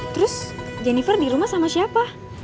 terus jennifer dirumah sama siapa